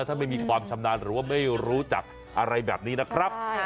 ถ้าไม่มีความชำนาญหรือว่าไม่รู้จักอะไรแบบนี้นะครับ